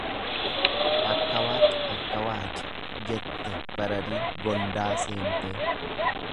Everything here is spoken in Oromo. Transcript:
Akka waaq! Aakka waaqi, jette barariin gondaa seentee.